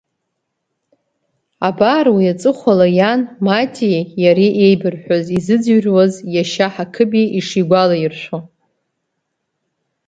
Абар уи аҵыхәала иан Матиеи иареи еибырҳәаз, иазыӡрыҩуаз иашьа Ҳақыбеи ишигәалаиршәо…